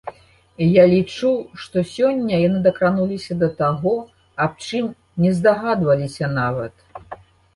І я лічу, што сёння яны дакрануліся да таго, аб чым не здагадваліся нават.